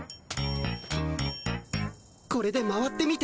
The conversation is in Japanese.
これで回ってみて。